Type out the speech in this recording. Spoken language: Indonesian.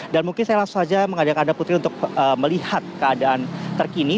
dan mungkin saya langsung saja mengadakan anda putri untuk melihat keadaan terkini